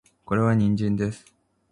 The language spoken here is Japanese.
これは人参です